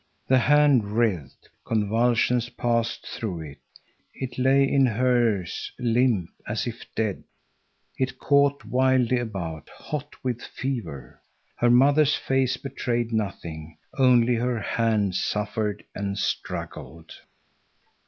That hand writhed, convulsions passed through it. It lay in hers limp, as if dead; it caught wildly about, hot with fever. Her mother's face betrayed nothing; only her hand suffered and struggled.